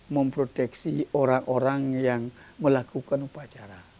memproteksi orang orang yang melakukan upacara